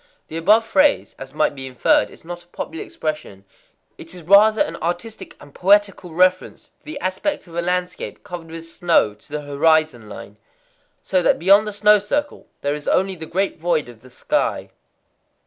The above phrase, as might be inferred, is not a popular expression: it is rather an artistic and poetical reference to the aspect of a landscape covered with snow to the horizon line,—so that beyond the snow circle there is only the great void of the sky.